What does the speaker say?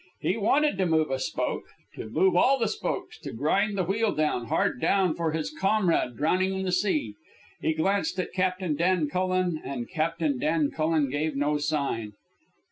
He wanted to move a spoke, to move all the spokes, to grind the wheel down, hard down, for his comrade drowning in the sea. He glanced at Captain Dan Cullen, and Captain Dan Cullen gave no sign.